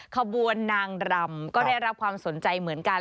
ขบวนนางรำก็ได้รับความสนใจเหมือนกัน